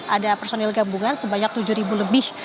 ada personil gabungan sebanyak tujuh lebih